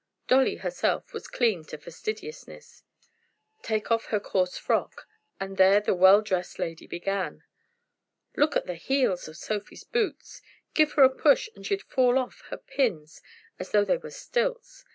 Dolly herself was clean to fastidiousness. Take off her coarse frock, and there the well dressed lady began. "Look at the heels of Sophie's boots! Give her a push, and she'd fall off her pins as though they were stilts.